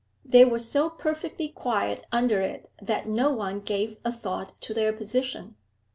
They were so perfectly quiet under it that no one gave a thought to their position.